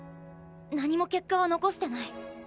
何も結果は残してない。